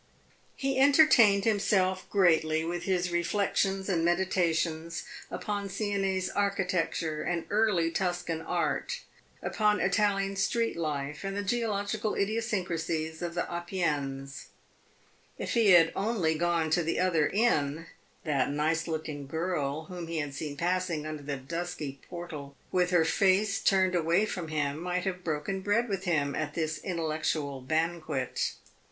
He entertained himself greatly with his reflections and meditations upon Sienese architecture and early Tuscan art, upon Italian street life and the geological idiosyncrasies of the Apennines. If he had only gone to the other inn, that nice looking girl whom he had seen passing under the dusky portal with her face turned away from him might have broken bread with him at this intellectual banquet.